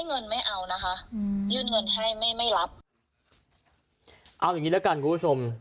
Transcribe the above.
เอาอย่างนี้ละกันคุณผู้ชม